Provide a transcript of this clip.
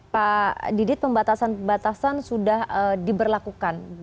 pak didit pembatasan pembatasan sudah diberlakukan